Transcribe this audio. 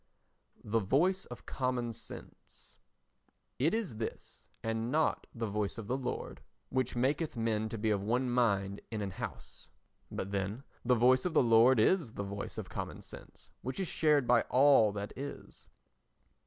The Voice of Common Sense It is this, and not the Voice of the Lord, which maketh men to be of one mind in an house. But then, the Voice of the Lord is the voice of common sense which is shared by all that is.